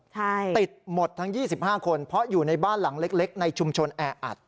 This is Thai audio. ใช่ติดหมดทั้ง๒๕คนเพราะอยู่ในบ้านหลังเล็กในชุมชนแออัด